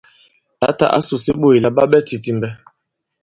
Tǎtà ǎ sùse ɓôt àla ɓa ɓɛ titimbɛ.